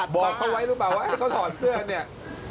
บอกเขาไว้รึเปล่าว่าเขาถอดเสื้อเนี่ย